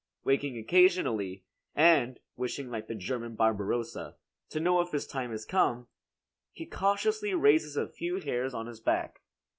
Waking occasionally, and wishing like the German Barbarossa, to know if his time is come, he cautiously raises a few hairs on his back.